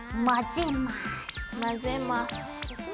混ぜます。